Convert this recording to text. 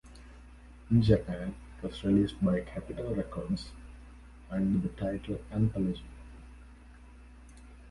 In Japan it was released by Capitol Records under the title "Anthology".